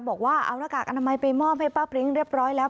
บอกว่าเอาหน้ากากอนามัยไปมอบให้ป้าปริ้งเรียบร้อยแล้ว